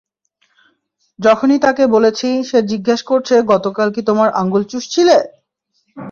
যখনই তাকে বলেছি, সে জিজ্ঞেস করছে গতকাল কি তোমার আঙ্গুল চুষছিলে?